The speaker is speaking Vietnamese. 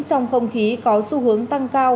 trong không khí có xu hướng tăng cao